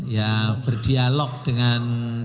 ya berdialog dengan dokter dokter